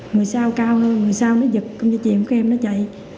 người sau cao hơn người sau nó giật cầm dây chuyển của em nó chạy